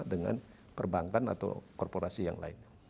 dengan perbankan atau korporasi yang lainnya